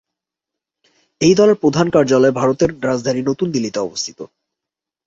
এই দলের প্রধান কার্যালয় ভারতের রাজধানী নতুন দিল্লিতে অবস্থিত।